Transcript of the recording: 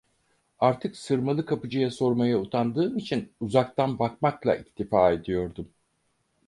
Artık sırmalı kapıcıya sormaya utandığım için, uzaktan bakmakla iktifa ediyordum.